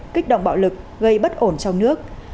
kích động bạo lực gây bất ổn trong nước